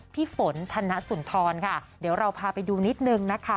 พี่ฝนธนสุนทรค่ะเดี๋ยวเราพาไปดูนิดนึงนะคะ